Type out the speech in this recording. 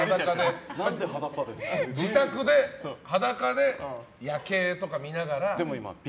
自宅で裸で夜景とか見ながら。